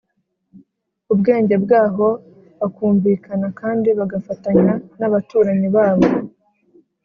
ubwenge bwabo bakumvikana kandi bagafatanya n'abaturanyi babo.